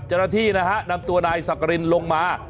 เจ้าหน้าที่นะฮะนำตัวนายสักกรินลงมา